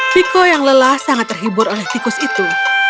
viko yang lelah sangat terhibur oleh tikus itu